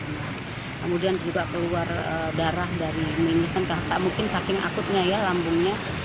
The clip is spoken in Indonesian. kemudian juga keluar darah dari minisan mungkin saking akutnya ya lambungnya